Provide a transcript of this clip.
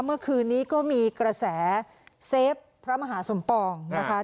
เมื่อคืนนี้ก็มีกระแสเซฟพระมหาสมปองนะคะ